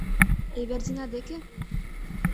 Эвердина деке?